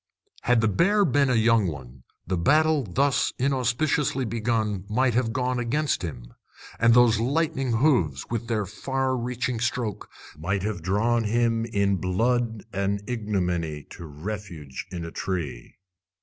Had the bear been a young one, the battle thus inauspiciously begun might have gone against him, and those lightning hooves, with their far reaching stroke, might have drawn him in blood and ignominy to refuge in a tree.